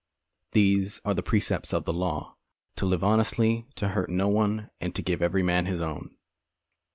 These are the precepts of the law : to live honestly, to hurt no one, and to give to every man his own."